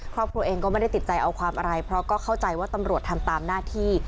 ครอบครัวเองก็ไม่ได้ติดใจเอาความอะไรเพราะก็เข้าใจว่าตำรวจทำตามหน้าที่